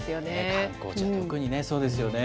観光地は特にね、そうですよね。